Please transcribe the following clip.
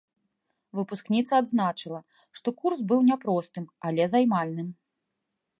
Выпускніца адзначыла, што курс быў няпростым, але займальным.